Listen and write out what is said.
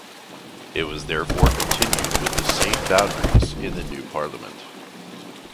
It was therefore continued with the same boundaries in the new Parliament.